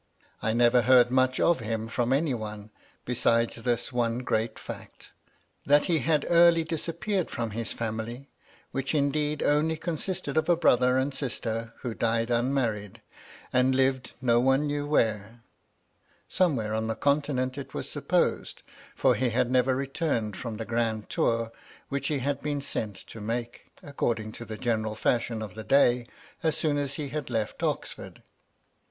I never heard much of him from any one, besides this one great fact: that he had early disappeared from his family, which indeed only consisted of a brother and sister who died unmarried, and lived no one knew where, — some where on the Continent it was supposed, for he had never returned from the grand tour which he had been MY LADY LUDLOW. 293 sent to make, according to the general &shion of the day, as soon as he left Oxford.